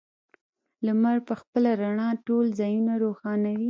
لمر په خپله رڼا ټول ځایونه روښانوي.